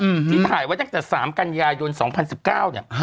ที่ถ่ายไว้ตั้งแต่๓กันยายน๒๐๑๙เนี่ย